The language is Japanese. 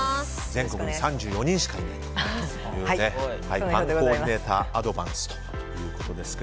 全国で３４人しかいないというパンコーディネーターアドバンスということですが。